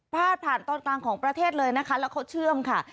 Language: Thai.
ผ่านตอนกลางของประเทศเลยนะคะแล้วเขาเชื่อมค่ะ